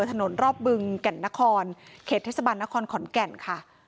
ถนนรอบบึงแก่นนครเขตเทศบาลนครขอนแก่นค่ะ